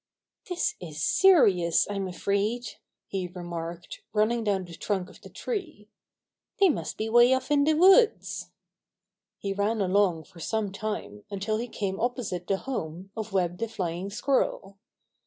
"This is serious, I'm afraid," he remarked, running dov^n the trunk of the tree. "They must be way off in the woods.'' He ran along for some time until he came opposite the home of Web the Flying Squirrel.